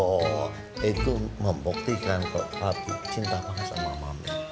oh itu membuktikan kalau papi cinta banget sama mami